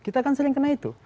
kita kan sering kena itu